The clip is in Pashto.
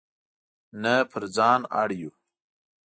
نه پر ځان اړ یو.